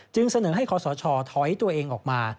จึงเสนอให้ขศถอยตัวเองออกมา